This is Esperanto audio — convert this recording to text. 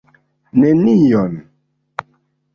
Nenion.